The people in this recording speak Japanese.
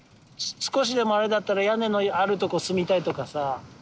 少しでもあれだったら屋根のあるとこ住みたいとかさ。